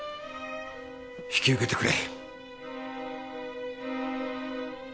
引き受けてくれ。